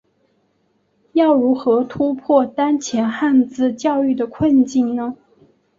要如何突破当前汉字教育的困境呢？